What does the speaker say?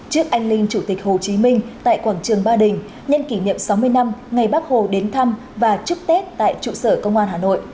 trước anh linh chủ tịch hồ chí minh tại quảng trường ba đình nhân kỷ niệm sáu mươi năm ngày bác hồ đến thăm và chúc tết tại trụ sở công an hà nội